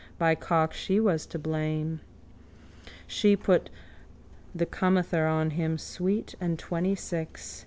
By cock, she was to blame. She put the comether on him, sweet and twentysix.